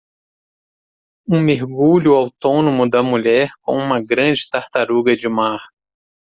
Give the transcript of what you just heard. Um mergulho autônomo da mulher com uma grande tartaruga de mar.